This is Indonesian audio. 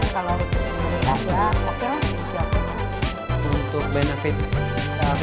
kalau lebih berlebihan ya kopi lah jadi kopi